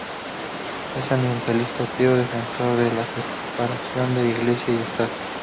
Es abiertamente ateo, defensor de la separación de iglesia y estado.